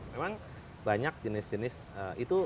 memang banyak jenis jenis itu